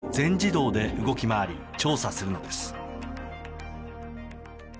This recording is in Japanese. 氷の裏側を、全自動で動き回り調査するのです。